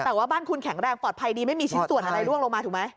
แต่ว่าบ้านคุณแข็งแรงปลอดภัยดีไม่มีชิ้นส่วนอะไรร่วงลงมาถูกไหม